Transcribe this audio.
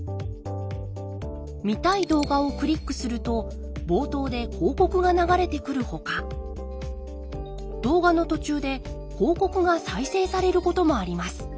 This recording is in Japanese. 見たい動画をクリックすると冒頭で広告が流れてくるほか動画の途中で広告が再生されることもあります。